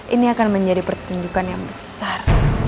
ini akan menjadi pertunjukan yang besar